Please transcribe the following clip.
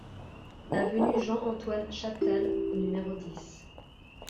Avenue Jean-Antoine Chaptal au numéro dix